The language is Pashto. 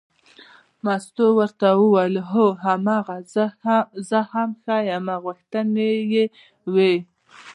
مستو ورته وویل هو هماغه زه هم ښیمه غوښتنې یې وې.